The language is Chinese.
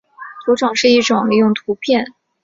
图种是一种利用图片档来传递压缩档的技巧。